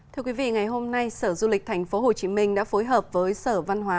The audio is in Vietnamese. thưa quý vị ngày hôm nay sở du lịch tp hcm đã phối hợp với sở văn hóa